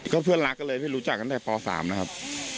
เพื่อนรักกันเลยที่รู้จักตั้งแต่ป๓นะครับ